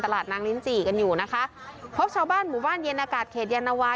ตลาดนางลิ้นจี่กันอยู่นะคะพบชาวบ้านหมู่บ้านเย็นอากาศเขตยานวา